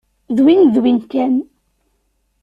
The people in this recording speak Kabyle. D win d win kan.